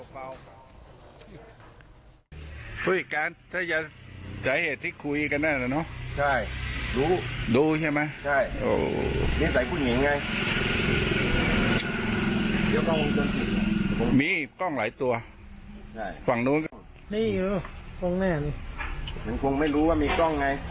มันคงไม่รู้ว่ามีกล้องไง